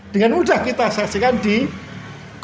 dengan mudah kita saksikan di indonesia